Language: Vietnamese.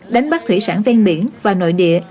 đánh bắt thủy sản ven biển và nội địa